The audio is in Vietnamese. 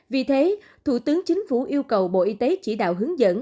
vì thế thủ tướng chính phủ yêu cầu bộ y tế chỉ đạo hướng dẫn